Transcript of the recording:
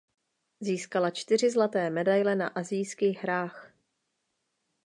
Získala čtyři zlaté medaile na Asijských hrách.